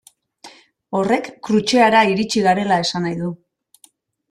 Horrek Krutxeara iritsi garela esan nahi du.